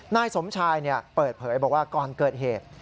นายสมชายเปิดเผยบอกว่าก่อนเกิดเหตุ